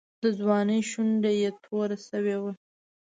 د ځوانۍ شونډه یې توره شوې وه.